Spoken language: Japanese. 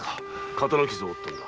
刀傷を負ったんだ。